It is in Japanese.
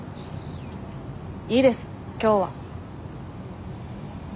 いいです今日は。